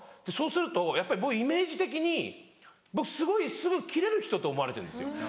そうするとやっぱりもうイメージ的に僕すごいすぐキレる人と思われてるんですよ。